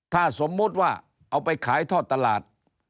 ถ้าสมมุติว่าเอาไปขายทอดตลาด